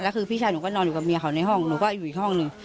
แล้วคือพี่ชายหนูก็นอนอยู่กับเมียเขาในห้องหนูก็อยู่อีกห้องหนึ่ง